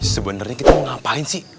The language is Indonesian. sebenarnya kita mau ngapain sih